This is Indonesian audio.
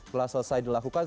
telah selesai dilakukan